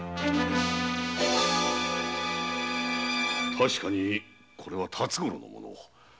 確かにこれは辰五郎のモノ。